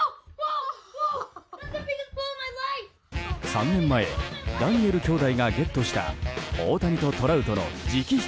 ３年前ダニエル兄弟がゲットした大谷とトラウトの直筆